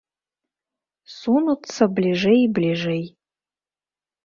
Сунуцца бліжэй і бліжэй.